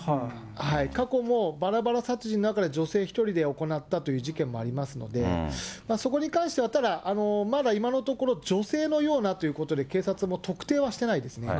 過去もばらばら殺人なんかで女性１人で行ったという事件もありますので、そこに関しては、ただまだ今のところ、女性のようなということで、警察も特定はしてないですね。